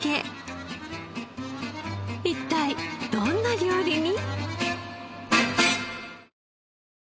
一体どんな料理に？